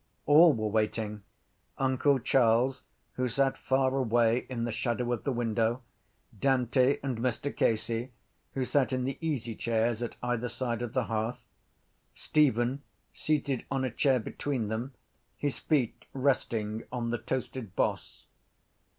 All were waiting: uncle Charles, who sat far away in the shadow of the window, Dante and Mr Casey, who sat in the easychairs at either side of the hearth, Stephen, seated on a chair between them, his feet resting on the toasted boss.